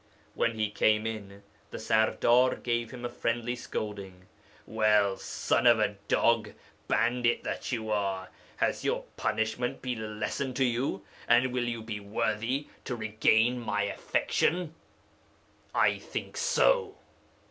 When he came in, the serdar gave him a friendly scolding: "Well, son of a dog, bandit that you are, has your punishment been a lesson to you? and will you be worthy to regain my affection? I think so.